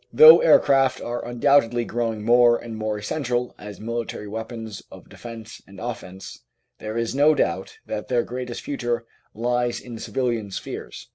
Though aircraft are undoubtedly growing more and more essential as military weapons of defence and offence, there is no doubt that their greatest future lies in civilian spheres.